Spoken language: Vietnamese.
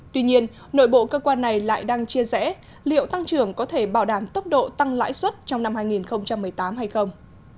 tuy nhiên nội bộ cơ quan này lại đang chia rẽ liệu tăng trưởng có thể bảo đảm tốc độ tăng lãi suất trong năm hai nghìn một mươi tám hay không